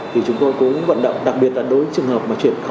thì chúng tôi cũng vận động đặc biệt là đối trường hợp